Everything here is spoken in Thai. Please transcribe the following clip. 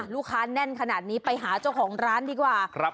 แน่นขนาดนี้ไปหาเจ้าของร้านดีกว่า